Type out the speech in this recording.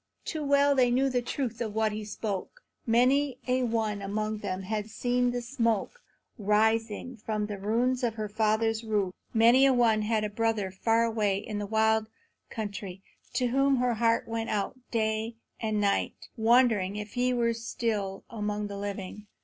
Too well they knew the truth of what he spoke. Many a one among them had seen the smoke rising from the ruins of her father's roof. Many a one had a brother far away in the wild country to whom her heart went out night and day, wondering if he were still among the living.